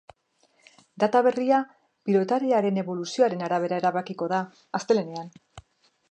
Data berria piltotariaren eboluzioaren arabera erabakiko da, astelehenean.